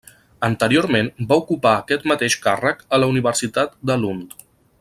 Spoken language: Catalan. Anteriorment va ocupar aquest mateix càrrec a la Universitat de Lund.